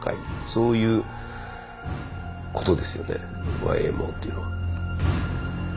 そういうことですよねＹＭＯっていうのは。